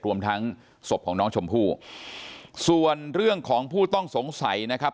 รวมทั้งศพของน้องชมพู่ส่วนเรื่องของผู้ต้องสงสัยนะครับ